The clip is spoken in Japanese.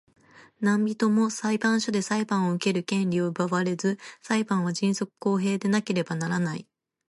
何人（なんびと）も裁判所で裁判を受ける権利を奪われず、裁判は迅速公平でなければならない。